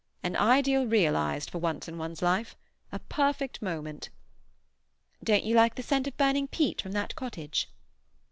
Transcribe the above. "An ideal realized, for once in one's life. A perfect moment." "Don't you like the scent of burning peat from that cottage?"